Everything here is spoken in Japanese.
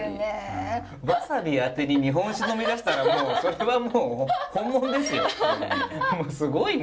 わさびあてに日本酒呑みだしたらそれはもう本物ですよ。すごいね。